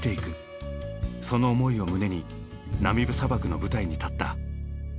その思いを胸にナミブ砂漠の舞台に立った。